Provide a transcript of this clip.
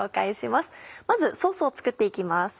まずソースを作って行きます。